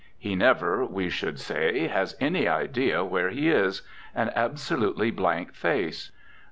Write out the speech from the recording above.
He never, we should say, has any idea where he is. An absolutely blank face.